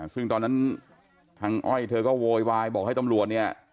ซึ่งตอนนั้นทางอ้อยเธอก็โวยวายบอกให้ตำรวจเนี่ย